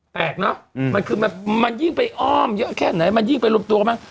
แตกเนอะมันยิ่งไปอ้อมเยอะแค่ไหนมันยิ่งไปรวมตัวกันมาก